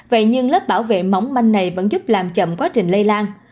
vậy nhưng lớp bảo vệ móng manh này vẫn giúp làm chậm quá trình lây lan